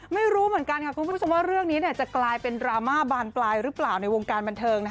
ไม่รู้เหมือนกันค่ะคุณผู้ชมว่าเรื่องนี้จะกลายเป็นดราม่าบานปลายหรือเปล่าในวงการบันเทิง